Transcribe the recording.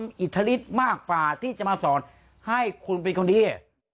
มีอิทธิฤทธิ์มากกว่าที่จะมาสอนให้คุณเป็นคนดี